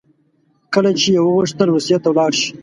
کله چې یې وغوښتل روسیې ته ولاړ شي.